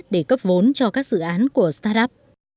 để cấp vốn cho các dự án của start up